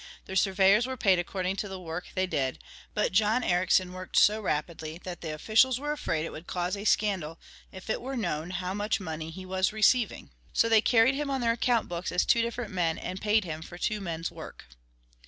The surveyors were paid according to the work they did, but John Ericsson worked so rapidly that the officials were afraid it would cause a scandal if it were known how much money he was receiving, and so they carried him on their account books as two different men and paid him for two men's work.